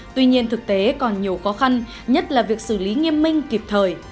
tuy nhiên thực tế còn nhiều khó khăn nhất là việc xử lý nghiêm minh kịp thời